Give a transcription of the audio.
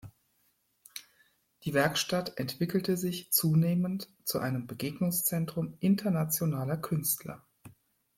Die Werkstatt entwickelte sich zunehmend zu einem Begegnungszentrum internationaler Künstler.